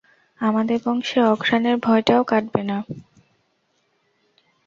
আমাদের বংশে অঘ্রানের ভয়টাও কাটবে না।